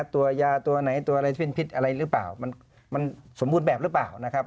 ตัวยาตัวไหนตัวอะไรเป็นพิษอะไรหรือเปล่ามันสมบูรณ์แบบหรือเปล่านะครับ